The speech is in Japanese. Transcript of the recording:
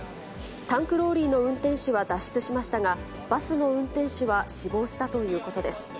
タンクローリーの運転手は脱出しましたが、バスの運転手は死亡したということです。